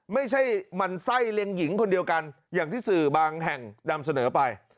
ไม่ใช่มันไส้เลี้ยงหญิงคนเดียวกันอย่างที่สื่อบางแห่งนำเสนอไป